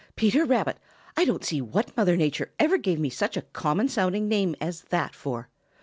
Peter Rabbit! I don't see what Mother Nature ever gave me such a common sounding name as that for.